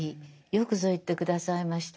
よくぞ言って下さいました。